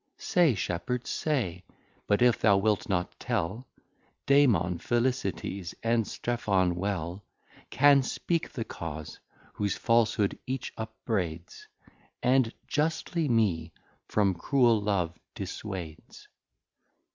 Say Shepherd, say: But if thou wilt not tell, Damon, Philisides, and Strephon well Can speak the Cause, whose Falshood each upbraids, And justly me from Cruel Love disswades.